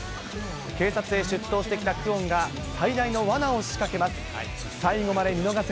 警察へ出頭してきた久遠が、最大のわなを仕掛けます。